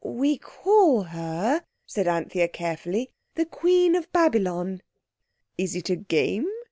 "We call her," said Anthea carefully, "the Queen of Babylon." "Is it a game?"